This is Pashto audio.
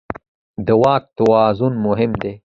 د واک توازن مهم دی.